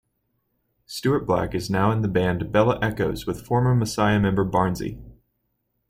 Stuart Black is now in the band Bella Echoes with former Messiah member Barnsey.